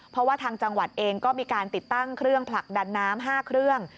เพราะว่าทางจังหวัดเองก็มีการติดตั้งเครื่องผลักดันน้ำ๕เครื่อง